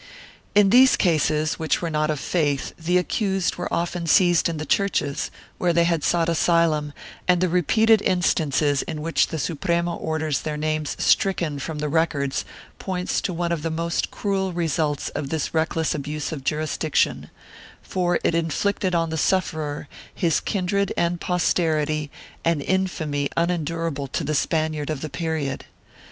In these cases, which were not of faith, the accused were often seized in the churches, where they had sought asylum, as though they were wanted for heresy and the repeated instances in which the Suprema orders their names stricken from the records points to one of the most cruel results of this reckless abuse of jurisdiction, for it inflicted on the sufferer, his kindred and posterity, an infamy unendurable to the Spaniard of the period.